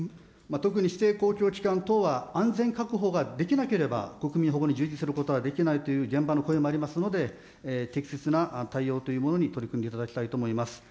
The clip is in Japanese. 特に指定公共機関等は安全確保ができなければ、国民保護に従事することはできないという現場の声もありますので、適切な対応というものに取り組んでいただきたいと思います。